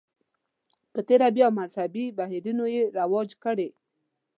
په تېره بیا مذهبي بهیرونو یې رواج کړي.